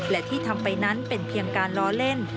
และที่ทำไปนั้นเป็นเพียงการล้อเล่น